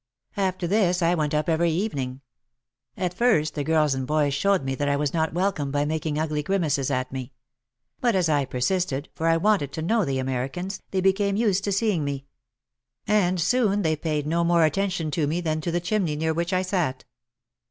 After this I went up every evening. At first the girls and boys showed that I was not welcome by making ugly grimaces at me. But as I persisted, for I wanted to know the Americans, they became used to seeing me. And soon they paid no more attention to me than to the chimney near which I sat.